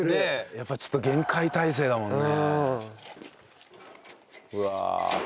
やっぱりちょっと厳戒態勢だもんね。